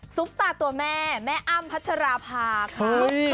ตาตัวแม่แม่อ้ำพัชราภาค่ะ